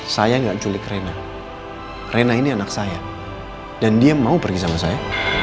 saya nggak culik rena rena ini anak saya dan dia mau pergi sama saya